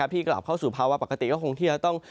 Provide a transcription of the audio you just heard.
ที่กลับเข้าสู่ภาวะปกติก็คงที่จะต้อง